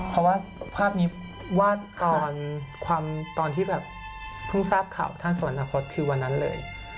เพราะว่าภาพนี้วาดตอนตอนที่พึ่งทราบข่าวท่านสวนอะครคดคือวันนั้นเลย